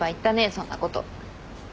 そんなこと。